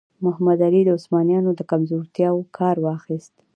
محمد علي د عثمانیانو له کمزورتیاوو کار واخیست.